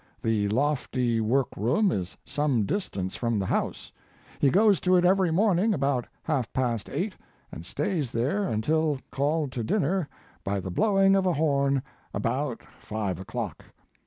The lofty work room is some distance from the house. He goes to it every morning about half past eight and stays there un til called to dinner by the blowing of a horn about five o clock.